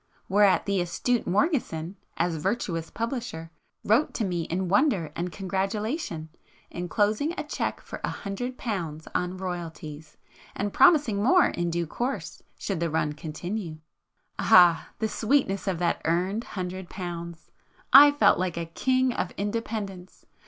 ... whereat the astute Morgeson, as virtuous publisher, wrote to me in wonder and congratulation, enclosing a cheque for a hundred pounds on 'royalties,' and promising more in due course, should the 'run' continue. Ah, the sweetness of that earned hundred pounds! I felt a King of independence!